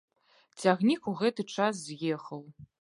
Цягнік у гэты час з'ехаў.